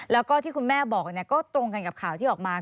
แล้วก็ที่คุณแม่บอกก็ตรงกันกับข่าวที่ออกมา